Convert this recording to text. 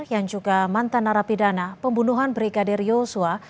yang juga mantan narapidana pembunuhan brigadir yosua